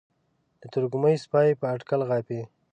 د تروږمۍ سپي په اټکل غاپي